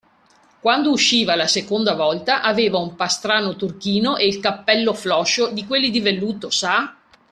Quando usciva la seconda volta, aveva un pastrano turchino e il cappello floscio, di quelli di velluto, sa?